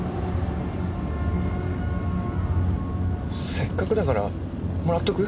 せっかくだからもらっとく？